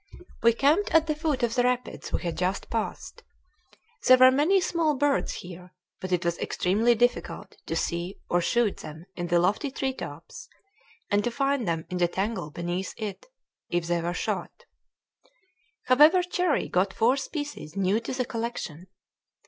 We camped at the foot of the rapids we had just passed. There were many small birds here, but it was extremely difficult to see or shoot them in the lofty tree tops, and to find them in the tangle beneath if they were shot. However, Cherrie got four species new to the collection.